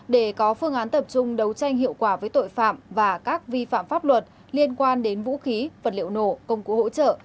để có phương án tập trung đấu tranh hiệu quả với tội phạm và các vi phạm pháp luật liên quan đến vũ khí vật liệu nổ công cụ hỗ trợ